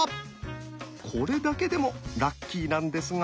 これだけでもラッキーなんですが。